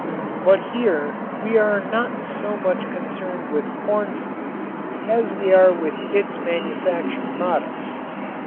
But here we are not so much concerned with corn foods as we are with its manufactured products.